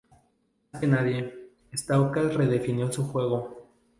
Más que nadie, Stauskas redefinió su juego.